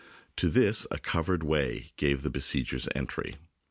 To this a covered way gave the besiegers entry.